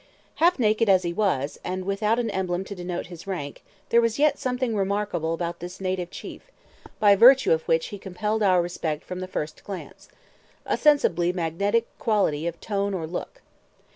Half naked as he was, and without an emblem to denote his rank, there was yet something remarkable about this native chief, by virtue of which he compelled our respect from the first glance, a sensibly magnetic quality of tone or look.